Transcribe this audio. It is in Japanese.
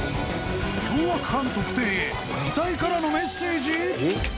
凶悪犯特定へ遺体からのメッセージ？